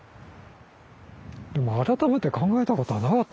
でも改めて考えたことはなかったな。